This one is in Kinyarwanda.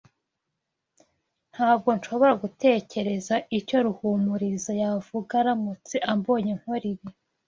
Ntabwo nshobora gutekereza icyo Ruhumuriza yavuga aramutse ambonye nkora ibi.